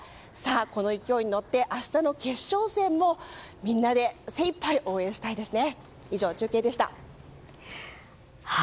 この勢いに乗って明日の決勝戦もみんなで精いっぱい応援したいですね。